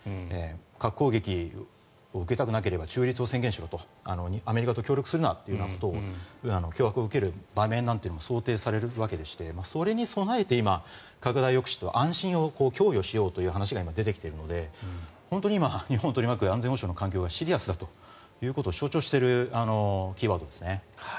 核攻撃を受けたくなければ中立を宣言しろとアメリカと協力するなという脅迫を受ける場面というのが想定されるわけでしてそれに備えて今、拡大抑止という安心を供与しようという話が出てきているので本当に今、日本を取り巻く安全保障の状況がシリアスだということを象徴しているキーワードですね。